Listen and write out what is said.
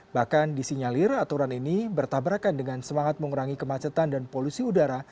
bahkan disinyalir aturan ini bertabrakan dengan semangat mengurangi kemacetan dan polusi udara